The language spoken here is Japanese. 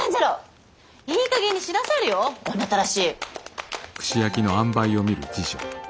いいかげんにしなされよ女たらし。